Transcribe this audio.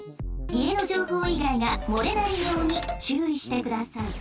家の情報以外が漏れないように注意してください。